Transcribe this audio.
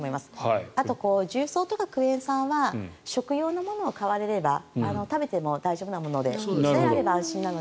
あと、重曹とかクエン酸とかは食用のものを買っていただければ食べても大丈夫なものであれば安心なので。